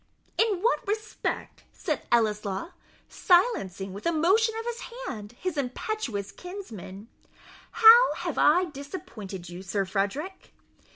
"In what respect," said Ellieslaw, silencing, with a motion of his hand, his impetuous kinsman "how have I disappointed you, Sir Frederick?"